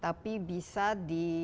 tapi bisa di